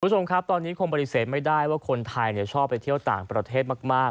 คุณผู้ชมครับตอนนี้คงปฏิเสธไม่ได้ว่าคนไทยชอบไปเที่ยวต่างประเทศมาก